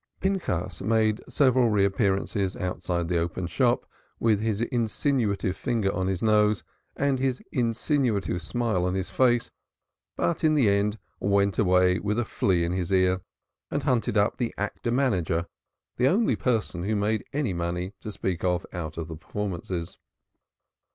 Pinchas made several reappearances outside the open shop, with his insinuative finger on his nose and his insinuative smile on his face, but in the end went away with a flea in his ear and hunted up the actor manager, the only person who made any money, to speak of, out of the performances.